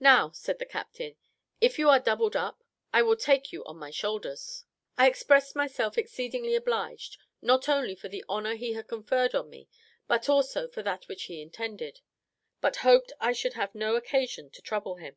"Now," said the captain, "if you are 'doubled up,' I will take you on my shoulders!" I expressed myself exceedingly obliged, not only for the honour he had conferred on me, but also for that which he intended; but hoped I should have no occasion to trouble him.